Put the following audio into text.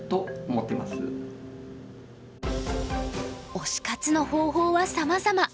推し活の方法はさまざま。